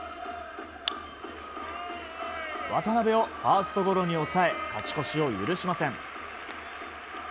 渡辺をファーストゴロに抑え勝ち越しを許しません。